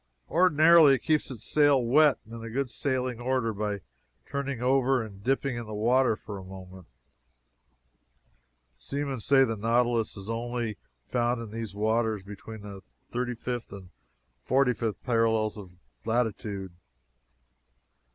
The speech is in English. Ordinarily it keeps its sail wet and in good sailing order by turning over and dipping it in the water for a moment. Seamen say the nautilus is only found in these waters between the 35th and 45th parallels of latitude.